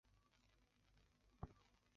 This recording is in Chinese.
一小团火烧着了一个被封蜡封上的信封。